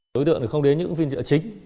đối tượng không đến những phiên chợ chính